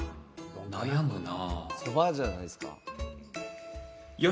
悩むな。